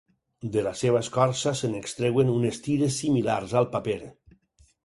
De la seva escorça se n'extreuen unes tires similars al paper.